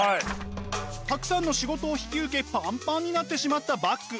たくさんの仕事を引き受けパンパンになってしまったバッグ。